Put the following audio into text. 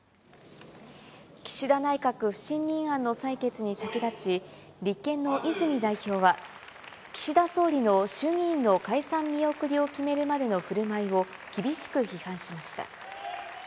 岸田内閣不信任案の採決に先立ち、立憲の泉代表は、岸田総理の衆議院の解散見送りを決めるまでのふるまいを厳しく批判しました。